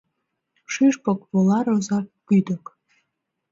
Шӱшпык вола роза кӱдык